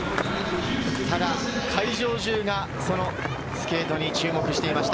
ただ会場中がそのスケートに注目していました。